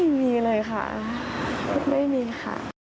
ไม่มีเลยค่ะไม่มีค่ะ